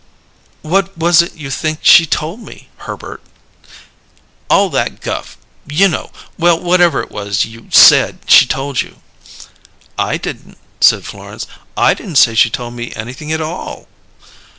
"What was it you think she told me, Herbert?" "All that guff you know. Well, whatever it was you said she told you." "I didn't," said Florence. "I didn't say she told me anything at all."